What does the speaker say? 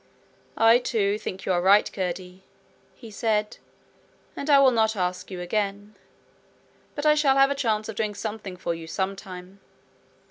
'I too think you are right, Curdie,' he said, 'and I will not ask you again. But I shall have a chance of doing something for you some time.'